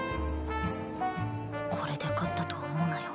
これで勝ったと思うなよ